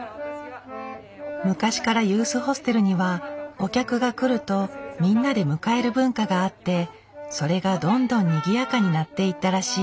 昔からユースホステルにはお客が来るとみんなで迎える文化があってそれがどんどんにぎやかになっていったらしい。